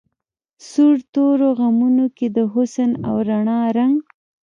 سور تورو غمونو کی د حسن او رڼا رنګ